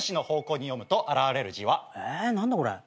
え何だこれ。